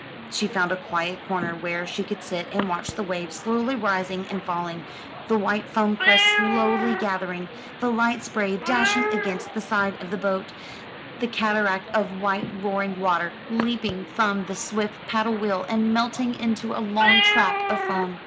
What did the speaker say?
She found a quiet corner where she could sit and watch the waves slowly rising and falling, the white foam crests slowly gathering, the light spray dashing against the side of the boat, the cataract of white roaring water leaping from the swift paddle wheel and melting into a long track of foam.